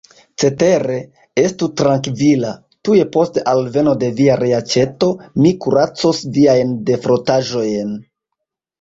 Cetere, estu trankvila: tuj post alveno de via reaĉeto, mi kuracos viajn defrotaĵojn.